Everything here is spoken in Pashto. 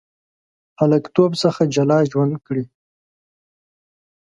هلکتوب څخه جلا ژوند کړی.